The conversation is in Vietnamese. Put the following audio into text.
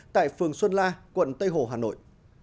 tại phường xuân la quận tây hồ hà nội